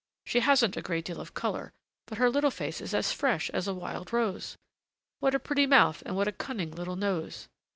"She hasn't a great deal of color, but her little face is as fresh as a wild rose! What a pretty mouth and what a cunning little nose!